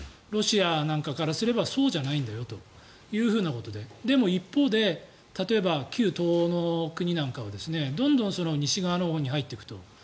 ロシアなんかからすればそうじゃないんだよということででも一方で例えば、旧東欧の国なんかはどんどん西側のほうに入っていくと。